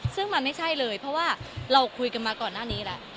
ซึ่งมันไม่ใช่เลยเพราะว่าเราคุยกันมาก่อนหน้านี้แล้ว